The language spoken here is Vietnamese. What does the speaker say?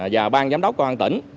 và ban giám đốc quan tỉnh